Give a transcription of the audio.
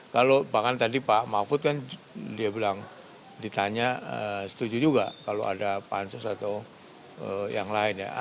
kalau bahkan tadi pak mahfud kan dia bilang ditanya setuju juga kalau ada pansus atau yang lain ya